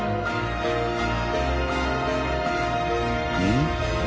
ん？